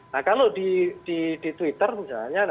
nah kalau di twitter misalnya